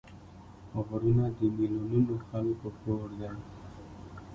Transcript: غرونه د میلیونونو خلکو کور دی